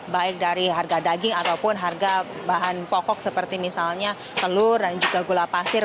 baik dari harga daging ataupun harga bahan pokok seperti misalnya telur dan juga gula pasir